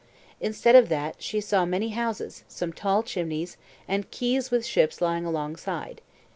Instead of that, she saw many houses, some tall chimneys, and quays with ships lying alongside.